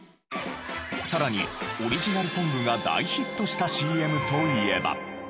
さらにオリジナルソングが大ヒットしたＣＭといえば。